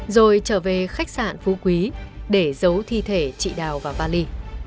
rồi trở về khách sạn phú quý để giấu thi thể chị đào và vali